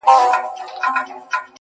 راته شعرونه ښكاري,